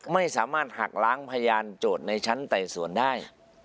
ไม่สามารถหักล้างพยานโจทย์ในชั้นไต่สวนได้